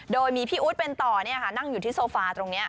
โดยมีพี่อู๊ดเป็นต่อนั่งอยู่ที่โซฟาตรงนี้